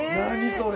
それ！